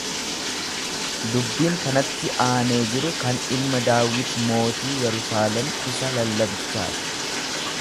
Dubbiin kanatti aanee jiru kan ilma Daawit mootii Yerusaalem isa lallabichaa ti.